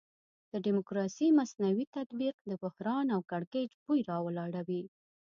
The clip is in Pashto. د ډیموکراسي مصنوعي تطبیق د بحران او کړکېچ بوی راولاړوي.